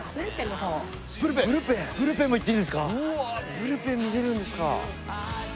ブルペン見れるんですか。